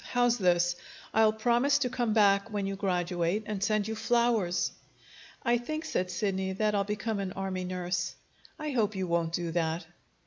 How's this? I'll promise to come back when you graduate, and send you flowers." "I think," said Sidney, "that I'll become an army nurse." "I hope you won't do that."